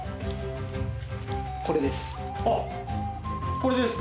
これです。